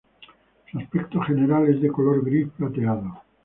Su aspecto general es de color gris plateado.